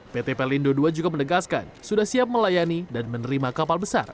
pt pelindo ii juga menegaskan sudah siap melayani dan menerima kapal besar